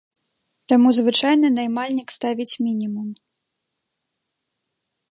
Таму звычайна наймальнік ставіць мінімум.